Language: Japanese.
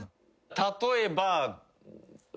例えば。